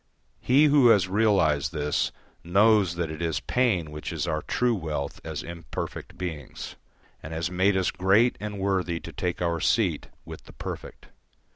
He who has realised this knows that it is pain which is our true wealth as imperfect beings, and has made us great and worthy to take our seat with the perfect.